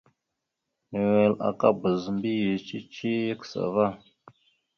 Nʉwel aka bazə mbiyez cici ya kəsa ava.